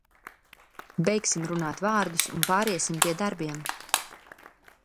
Beigsim runāt vārdus un pāriesim pie darbiem!